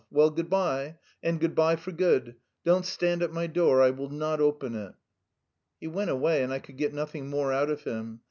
Well, good bye, and good bye for good. Don't stand at my door, I will not open it." He went away and I could get nothing more out of him.